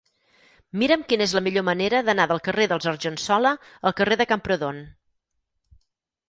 Mira'm quina és la millor manera d'anar del carrer dels Argensola al carrer de Camprodon.